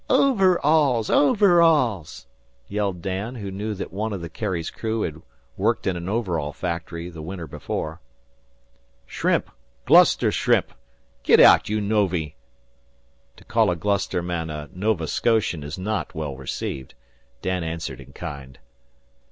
"O ver alls! O ver alls!" yelled Dan, who knew that one of the Carrie's crew had worked in an overall factory the winter before. "Shrimp! Gloucester shrimp! Git aout, you Novy!" To call a Gloucester man a Nova Scotian is not well received. Dan answered in kind.